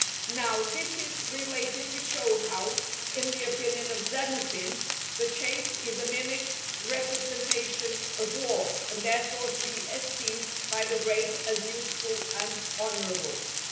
Now, this is related to show how, in the opinion of Xenophon, the chase is a mimic representation of war, and therefore to be esteemed by the great as useful and honourable.